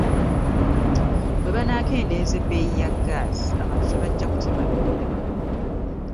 Bwe banaakendeeza ebbeeyi ya gaasi abantu tebajja kutema bibira.